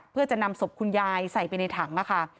เพื่อจะนำศพคุณยายใส่ไปในถังค่ะ